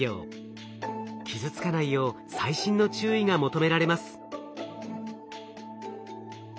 傷つかないよう細心の注意が求められます。